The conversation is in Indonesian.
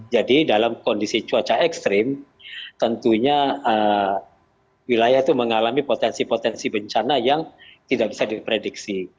jadi dalam kondisi cuaca ekstrim tentunya wilayah itu mengalami potensi potensi bencana yang tidak bisa diprediksi